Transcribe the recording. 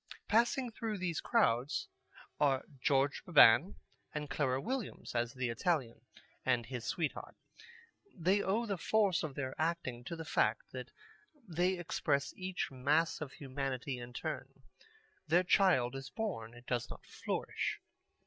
Passing through these crowds are George Beban and Clara Williams as The Italian and his sweetheart. They owe the force of their acting to the fact that they express each mass of humanity in turn. Their child is born. It does not flourish.